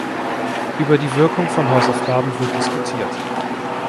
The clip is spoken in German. Über die Wirkung von Hausaufgaben wird diskutiert.